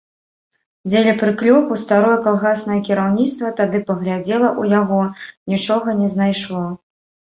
Дзеля прыклёпу старое калгаснае кіраўніцтва тады паглядзела ў яго, нічога не знайшло.